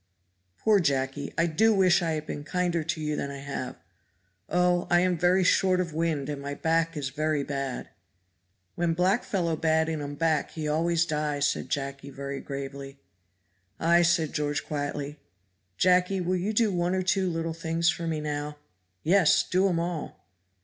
"Poor Jacky! I do wish I had been kinder to you than I have. Oh, I am very short of wind, and my back is very bad!" "When black fellow bad in um back he always die," said Jacky very gravely. "Ay," said George quietly. "Jacky, will you do one or two little things for me now?" "Yes, do um all."